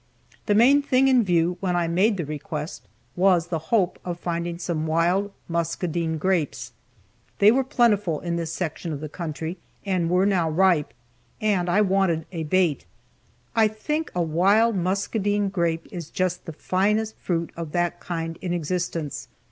The main thing in view, when I made the request, was the hope of finding some wild muscadine grapes. They were plentiful in this section of the country, and were now ripe, and I wanted a bait. I think a wild muscadine grape is just the finest fruit of that kind in existence.